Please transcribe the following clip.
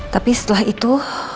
tapi setelah itu